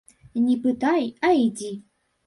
Не пытай, а ідзі.